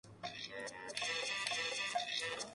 Juntos lo entrenan para que participe en el Grand National.